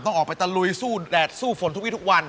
ต้องออกไปตะลุยสู้แดดสู้ฝนทุกวิทุกวัน